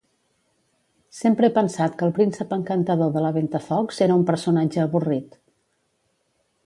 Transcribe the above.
Sempre he pensat que el príncep encantador de La Ventafocs era un personatge avorrit.